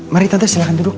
mari tante silahkan duduk